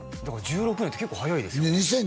だから１６年って結構早いですよね